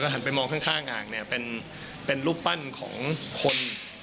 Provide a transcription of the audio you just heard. หันไปมองข้างอ่างเนี่ยเป็นรูปปั้นของคน